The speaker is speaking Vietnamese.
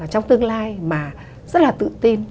trong tương lai mà rất là tự tin